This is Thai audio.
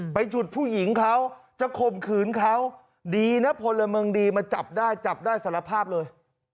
ไปจุดผู้หญิงเขาจะข่มขืนเขาดีนะพลเมืองดีมาจับได้จับได้สารภาพเลย